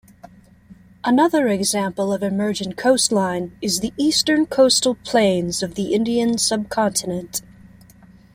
Another example of emergent coastline is the Eastern Coastal Plains of the Indian Subcontinent.